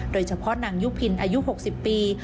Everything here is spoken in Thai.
โดยเฉพาะนางยุพินอายุ๖๐ปี